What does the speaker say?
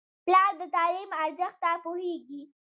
پلار د تعلیم ارزښت ته پوهېږي.